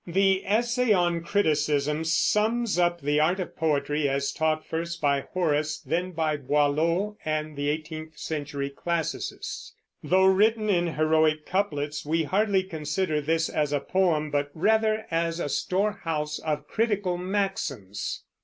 The "Essay on Criticism" sums up the art of poetry as taught first by Horace, then by Boileau and the eighteenth century classicists. Though written in heroic couplets, we hardly consider this as a poem but rather as a storehouse of critical maxims.